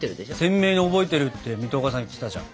鮮明に覚えてるって水戸岡さん言ってたじゃん。